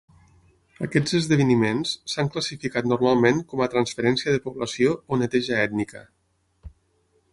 Aquests esdeveniments s'han classificat normalment com a transferència de població o neteja ètnica.